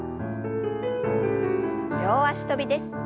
両脚跳びです。